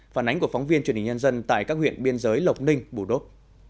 phản ánh của phóng viên truyền hình nhân dân tại các huyện biên giới lộc ninh bù đốc